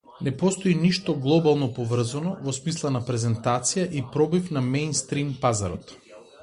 Не постои ништо глобално поврзано во смисла на презентација и пробив на меинстрим пазарот.